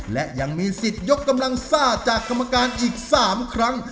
และยังมีสิทธิ์ยกกำลังซ่าจากกรรมการอีก๓ครั้ง